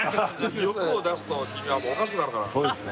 欲を出すと君はおかしくなるから。